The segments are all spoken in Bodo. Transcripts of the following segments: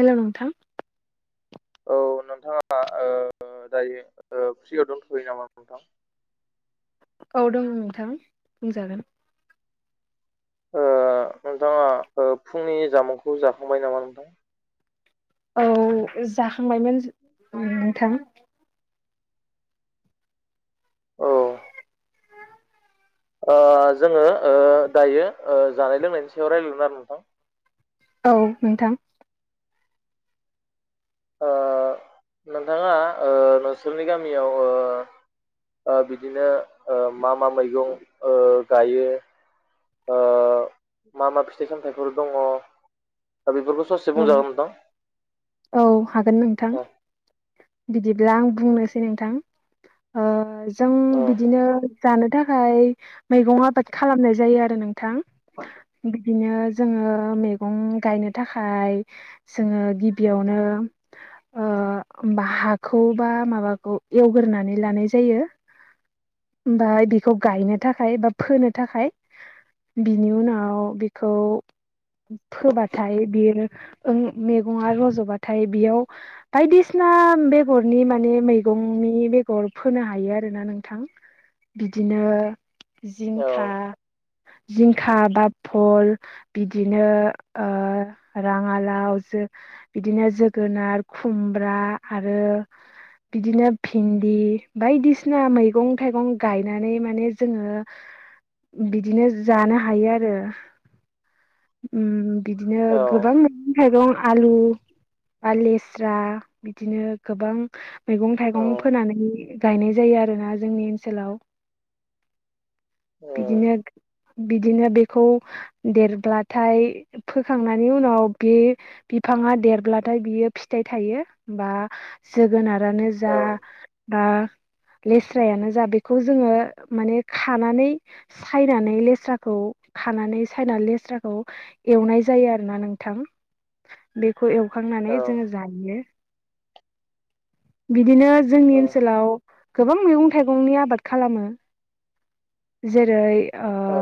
हेल' नोंथां औ नोंथाङा ओ दायो ओ फ्रियाव दोनथ'यो नामा नोंथां औ दङ नोंथां बुंजागोन ओ नोंथाङा ओ फुंनि जामुंखौ जाखांबाय नामा नोंथां औ जाखांबायमोन नोंथां औ जोङो ओ दायो ओ जानाय लोंनायनि सायाव रायजलायगोन आरो नोंथां औ नोंथां ओ नोंथाङा ओ नोंसोरनि ओ गामियाव ओ बिदिनो ओ मा मा मैगं ओ जायो ओ मा मा फिथाइ सामथाइफोर दङ बेफोरखौ ससे औ बुंजागोन नोंथां। औ हागोन नोंथां औ बिदिब्ला आं बुंनोसै नोंथां ओ जों औ बिदिनो जानो थाखाय मैगं आबाद खालामनाय जायो आरो नोंथां बिदिनो जोङो मैगं गायनो थाखाय थाय जोङो गिबियावनो हा हाखौ बा माबाखौ एवगोरनानै लानाय जायो ओमफाय बेखौ गायनो थाखाय बा फोनो थाखाय बिनि उनाव बेखौ फोबाथाय बेयो मैगङा रज'बाथाय बेयाव बायदिसिना बेगरनि मान मेगंनि बेगर फोनो हायो आरोना नोंथां बिदिनो औ जिंखा जिं खाबाद फल बिदिनो ओ राङालाव जो बिदिनो जोगोनार खुमब्रा आरो बिदिनो भिन्दि बायदिसिना मैगं थाइगं गायनानै माने जोङो बिदिनो जानो हायो आरो उ बिदिनो औ मै थाइगं आलु बा लेस्रा बिदिनो गोबां मैगं औ थाइगं फोनानै गायनाय जायो आरोना जोंनि ओनसोलाव बिदिनो बिदिनो बेखौ देरब्लाथाय फोखांना नि उनाव बे बिफाङा देरब्लाथाय बियो फिथाइ थायो बा जोगोनाथ रानो जा औ आ लेस्रायानो जा बेखौ जोङो माने खानानै सायनानै लेस्राखौ खानानै सायना लेस्राखौ एवनाय जायो आ ना नोंथां बेखौ औ एवखांनानै जोङो जायो । दिनो जोंनि औ ओनसोलाव गोबां मैगं थाइगंनि आबाद खालामो जेरै आ औ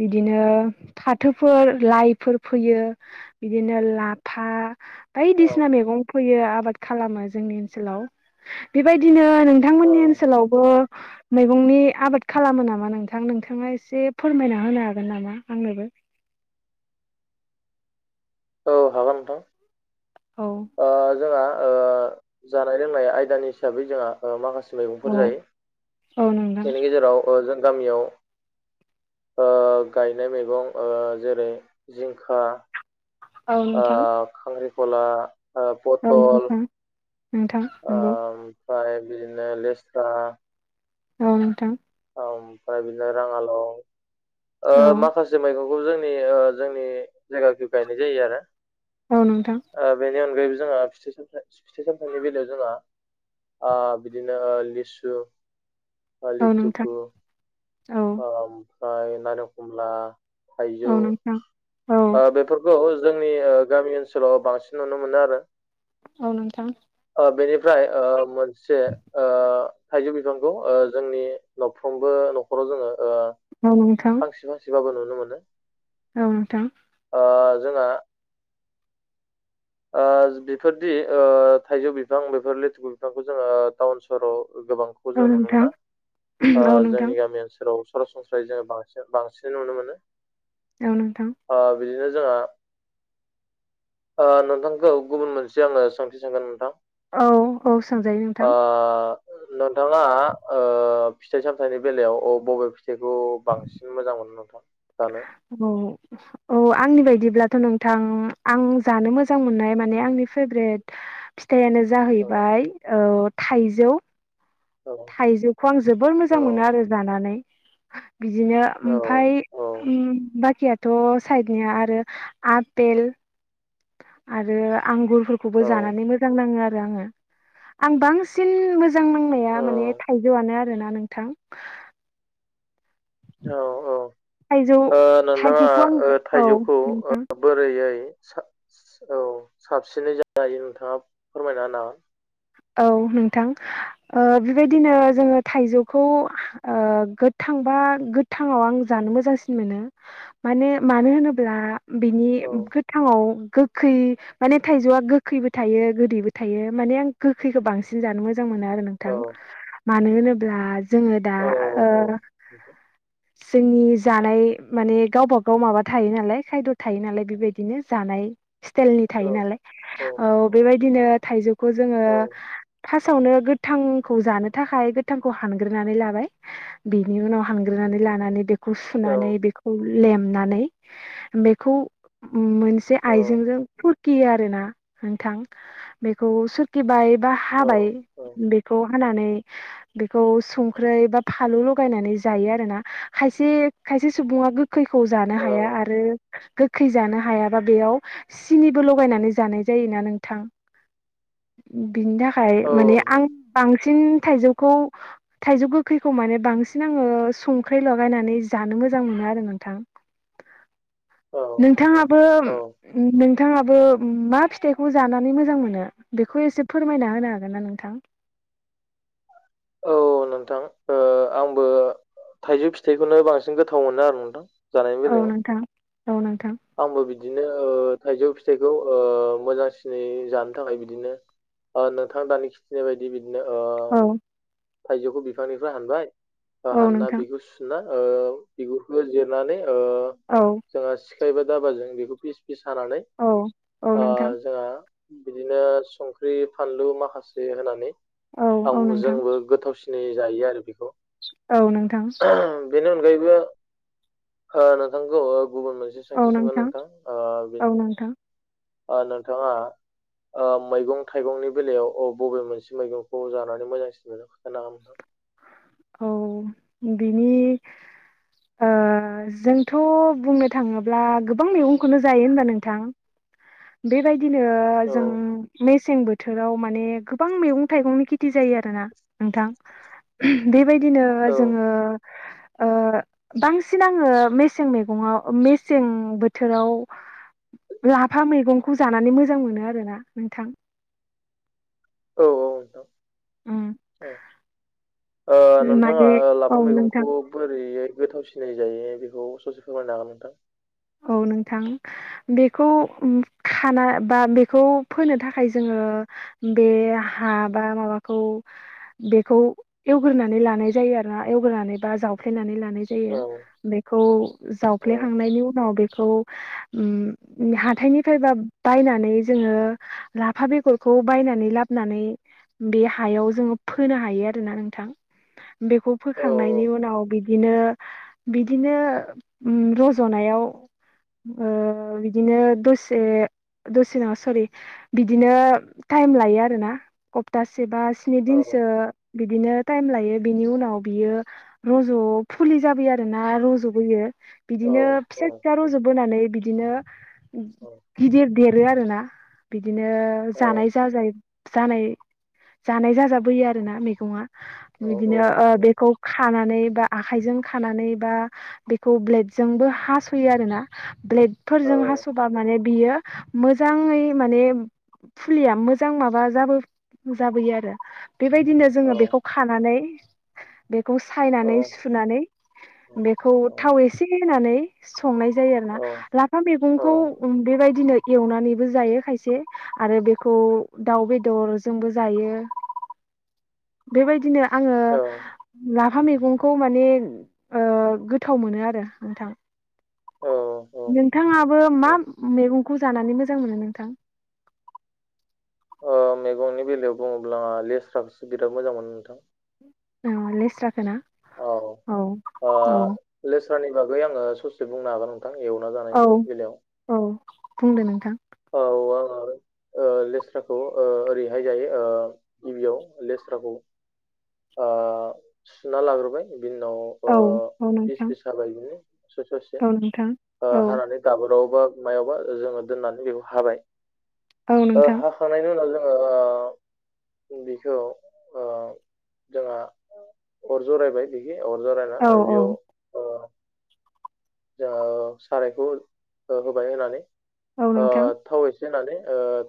बिदिनो फाथोफोर लाइ फोर फैयो बिदिनो लाफा औ बायदिसिना मेगं फोयो आबाद खालामो जोंनि ओनसोलाव बेबायदिनो औ नोंथांमोननि ओनसोलावबो औ मैगंनि आबाद खालामो नामा नोंथां? नोंथाङा एसे फोरमायना होनो हागोन नामा आंनोबो । [unintelligible] औ हागोन नोंथां औ ओ जोंहा ओ जानाय लोंनाय आयदानि हिसाबै जोंहा ओ माखास औ मैगंफोर जायो औ नोंथां बेनि गेजेराव ओ जों गामियाव ओ गायनाय मैगं ओ जेरै जिंखा औ ओ नोंथां खांख्रिखला ओ औ पटल नोंथां नोंथां नंगौ ‌। फाय बिदिनो लेस्रा औ नोंथां । औ ओमफ्राय बिदिनो राङाल' ओ औ माखासे मैगं उ जोंनि ओ जोंनि जायगाखै गायनाय जायो आरो औ नोंथां ओ बेनि अनगायैबो जोंहा फिथाइ सामथाइ फिथाइ सामथाइनि बेलायाव जोंहा आ बिदिनो लिसु बा लिथु [unintelligible] आ ओमफ्राय नारेंखमला थायजौ औ नोंथां औ आ बेफोरखौ जोंनि ओ गामि ओनसोलाव बांसिन नुनो मोनो आरो । औ नोंथां । आ बेनिफ्राय ओ मोनसे ओ थाइजौ बिफांखौ ओ जोंनि न'फ्रोमबो न खराव जोङो औ औ नोंथां फांसे फांसेबाबो नुनो मोनो । औ नोंथां । आ जोंहा आज बेफोरदि ओ थाइजौ बिफां बेफोर लेथुगु बिफांखौ जोङो टाउन सहराव गोबांखौ औ जों नुनो नोंथां मोना आ औ नोंथां जोंनि गामि ओनसोलाव सरासनस्रायै जोङो बांसि-बांसिन नुनो मोनो औ नोंथां आ बिदिनो जोंहा नोंथांखौ गुबुन मोनसे आङो सोंथि सोंगोन नोंथां । औ औ सोंजायो नोंथां । नोंथाङा ओ फिथाइ सामथाइनि बेलायाव अ बबे जेग' बांसिन मोजां मोनो नोंथां? जानो औ औ आंनि बायदि बिदिब्लाथ' नोंथां आं जानो मोजां मोननाय माने आंनि फेभरेट फिथायानो औ जाहैबाय औ थाइजौ औ औ थाइजौखौ आं जोबोर मोजां मोनो आरो जानानै। बिदिनो औ ओमफाय औ बा खिथियाथ' साइदनिया आरो आपेल आरो आंगुर बो औ जान्नानै मोजां नाङो आरो आंङो आं बांसिन मोजां नांया माने थाइजौआनो आरोना नोंथां। औ औ थाइजौ ओ नोंथाङा थाइजौखौ आं ओ औ थाइजौखौ नोंथां बोरैयै औ साबसिनै जायो नोंथाङा फोरमायना होना औ नोंथां ओ बेबायदिनो जोंङो थाइजौखौ ओ गोथांबा गोथांङाव आं जानो मोजांसिन मोनो माने मानो होनोब्ला बिनि हागोन गोथांआव गोखै माने थाइजौआ गोखैबो थायो गोदैबो थायो माने आं गोखैखौ बांसिन जानो मो जां मोनो आरो औ नोंथां मानो होनोब्ला जोंङो दा‌ औ ओ औ जोंनि जानाय माने गावबागाव माबा थायो नालाय खायद' थायो नालाय बेबायदिनो जानाय स्टाइलनि थायो नालाय औ बेबायदिनो थाइजौखौ जोंङो औ फार्स्टावनो गोथांखौ जानो थाखाय गोथांखौ हानग्रोनानै लाबाय बिनि उनाव हानग्रोना नानै लानानै सुनानै बेखौ लेमनानै बेखौ मोनसे आइजेंजों फुरखियो आरो ना नोंथां बेखौ सोरुरखिबाय बा हाबाय औ बेखौ हानानै बेखौ संख्रै बा फालु लगायनानै जायो आरोना खायसे खायसे सुबुङा गोखैखौ जानो औ हाया आरो गोखै जानो हायाबा बेयाव सिनिबो लगायनानै जानाय जायोना नोंथां बिनि थाखाय औ माने नोंथां आं बांसिन थाइजौखौ थाइजौ गोखैखौ माने बांसिन आंङो संख्रै लगायनानै जानो मोजां मो नो आरो नोंथां [inaudible] औ नोंथाङाबो औ नोंथाङाबो मा फिथाइखौ जानानै मोजां मोनो बेखौ एसे फोरमायना होनो हागोन ना नोंथां। औ नोंथां ओ आंबो थाइजौ फिथाइखौनो बांसिन गोथाव मोनो आरो नोंथां जानायनि औ बेलायाव नोंथां औ नोंथां आंबो बिदिनो ओ थाइजौ फिथाइखौ ओ मोजांसिनै जानो थाखाय बिदिनो नोंथां दानि खिथिनाय बायदि बिदिनो औ थाइजौखौ बिफांनिफ्राय हानबाय औ हानना नोंथां बेखौ सुना ओ बिगुरखौ जिरनानै ओ औ जोंहा सिखा एबा दाबाजों बेखौ फिस-फिस हानानै औ औ ओ नोंथां जोंहा बिदिनो संख्रि फानलु माखासे होनानै औ आं औ नोंथां जोंबो गोथावसिन सिनै जायो आरो बेखौ औ नोंथां बेनि अनगायैबो ओ नोंथांखौ ओ गुबुन मोनसे सोंथि सोंगोन नोंथां औ नोंथां ओ नोंथाङा ओ मैगं थाइगंनि बेलायाव अ बबे मोनसे मैगंखौ जानानै मोजांसिन मोजां खोनथानो भागों नोंथां [inaudible] औ बिनि ओ जोंथ' बुंनो थाङोब्ला गोबां मैगंखौनो जायो होनबा नोंथां बेबायदिनो जों मेसें बो थोराव माने गोबां मैगं थाइगंनि खेथि जायो आरो ना नोंथां बेबाय दिनो जोंङो ओ बांसिन आङो मेसें मैगङाव मेसें बोथोराव लाफा मैगंखौ जानानै मोजां मोनो आरोना नोंथां औ उम औ ओ नोंथाङा माने लाफा औ नोंथां मैगंखौ बोरैैयै गोथाव सिनाय जायो बेखौ ससे फोरमायनो हागोन नोंथां औ नोंथां बेखौ खाना बा बेखौ फोनो थाखाय जोंङो ओ बे हा बा माबाखौ बेखौ एवग्रोनानै लानाय जायो आरो ना एवग्रनानै बा जावफ्लेनानै लानाय जायो औ बेखौ औ जावफ्लेखांनायनि उ उनाव बेखौ उम हाथायनिफ्राय बा बायनानै जोंङो लाफा बेग बेगरखौ बायनानै लाबोनानै बे हायाव जोंङो फोनो हायो आरोना नोंथां। बेखौ औ फोखांनायनि उनाव बिदिनो बिदिनो उम रज'नायाव ओ बिदिनो दसे दसेनाव सरि बिदिनो टाइम लायो आरोना हप्तासे सेबा स्नि औ दिनसो बिदिनो टाइम लायो बिनि उनाव बियो रज' फुलि जाबाय आरो ना रुज'बोयो औ बिदिनो औ फिसा फिसा रुजुबोनानै बिदि बिदिनो गिदिर देरो आरो ना बिदिनो औ जानाय जाजाय जानाय जानाय जाजाबोयो आरोना मैगङा औ औ बिदिनो ओ औ बेखौ खानानै बा आखाइजों खानानै बा बेखौ बेल्दजोंबो हास' फैयो आरोना ब्लेडफोरजों हास'बा माने बियो मोजाङै माने फुलिया मोजां माबा जाबो जाबोयो आरो बेबायदिनो जोंङो बेखौ खानानै बेखौ औ सायनानै सुनानै बेखौ औ थाव एसे होनानै संनाय जायो औ आरोना लाफा औ मैगंखौ बेबायदिनो एवनानैबो जायो खायसे आरो बेखौ दाउ बेदरजोंबो जायो। [inaudible] बेबायदिनो आंङो औ लाफा मैगंखौ माने ओ गोथाव मोनो आरो नोंथां औ नोंथाङाबो मा औ मैगं खौ जानानै मोजां मोनो नोंथां? गंनि बेलायाव बुङोब्ला लेस्राखौसो बिराद मोजां मोनो नोंथां। औ लेस्राखो ना औ औ ओ औ लेस्रानि बागै आंङो ससे बुंनो हागोन नोंथां एवना औ जानायनि बेलायाव औ बुंदो नोंथां औ [unintelligible] ओ लेस्राखौ ओ ओरैहाय जायो ओ गिबियाव लेस्राखौ ओ सुना लाग्रोबाय बिनि उनाव ओ औ औ बिस नोंथां बिस हाबाय बिदिनो ससे ससे औ नोंथां औ हानानै दाबोराव मायावबा जोंङो दोननानै बेखौ हाबाय औ ओ नोंथां हाखांनायनि उनाव जों ओओआम बेखौ ओ जोंहा अर जरायबाय बिखि अर जरायना औ औ बेयाव ओ जोओ सारायखौ होबाय होनानै औ ओ नोंथां थावै होननानै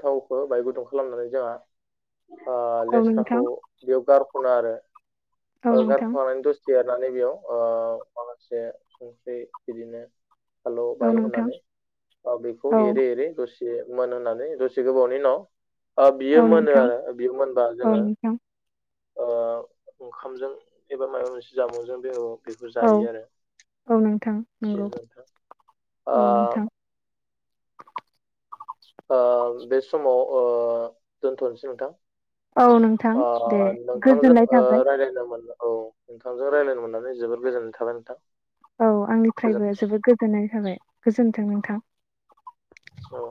थावखौ बाय गुदुं खालामनानै जोंहा ओ औ लेस्राखौ नोंथां बेयाव गारख'नो आरो औ ओ नोंथां गारख'खानानै दसे देरनानै बेयाव ओ माखासे संख्रि बिदिनो [unintelligible] औ बाय नोंथां होननानै बेखौ औ एरै एरै दसे बेमोनहोनानै दुसे गोबावनि उनाव ओ बियो औ मोनो नोंथां आरो बियो मोनबा औ जोंङो नोंथां ओ ओंखामजों एबा माबा मोनसे जामुंजों बे बेखौ औ जायो आरो औ नोंथां नंगौ [unintelligible] ओ औ नोंथां ओ बे समाव ओ दोनथ'नोसै नोंथां औ नोंथां दे अह नोंथांजों गोजोननाय ओ थाबाय रायलायनो मोनना औ नोंथांजों रायलायनो मोननानै जोबोद गोजोननाय थाबाय नोंथां। औ आंनिफ्रायबो गोजोन्थों जोबोद गोजोननाय जाबाय गोजोनथों नोंथां। औ।